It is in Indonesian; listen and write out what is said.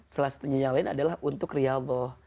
salah satunya yang lain adalah untuk riyallah